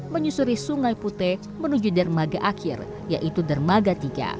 menyusuri sungai putih menuju darmaga akhir yaitu darmaga tiga